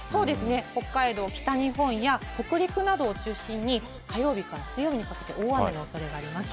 北海道、北日本や北陸などを中心に、火曜日から水曜日にかけて大雨のおそれがあります。